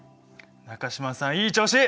中島さんいい調子！